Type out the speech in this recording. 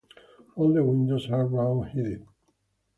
All the windows are round-headed.